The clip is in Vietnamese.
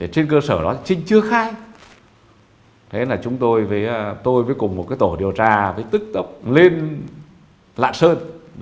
trên cơ sở đó trinh chưa khai thế là chúng tôi với tôi với cùng một cái tổ điều tra với tức tốc lên lạng sơn